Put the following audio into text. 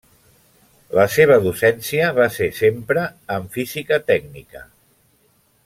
La seva docència va ser sempre en física tècnica.